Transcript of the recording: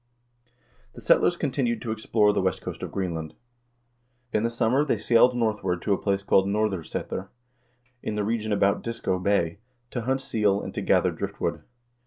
The settlers continued to explore the west coast of Greenland. In the summer they sailed northward to a place called Nor'Srsetur, in the region about Disco Bay, to hunt seal, and to gather driftwood.